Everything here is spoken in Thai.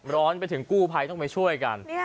ร้อนไปถึงกู้ภัยต้องไปช่วยกัน